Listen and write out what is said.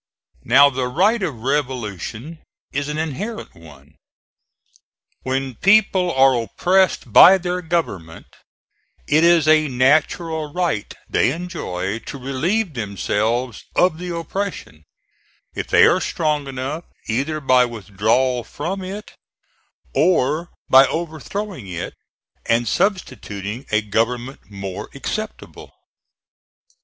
Now, the right of revolution is an inherent one. When people are oppressed by their government, it is a natural right they enjoy to relieve themselves of the oppression, if they are strong enough, either by withdrawal from it, or by overthrowing it and substituting a government more acceptable.